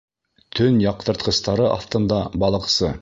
Төн яҡтыртҡыстары аҫтында балыҡсы